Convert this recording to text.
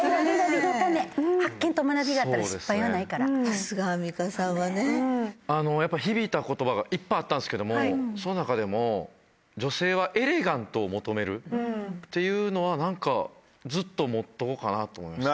さすがアンミカさんはね。やっぱ響いた言葉がいっぱいあったんですけどもその中でも。っていうのは何かずっと持っとこうかなと思いました。